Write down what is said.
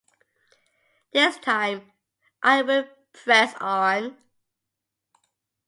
This time I will press on...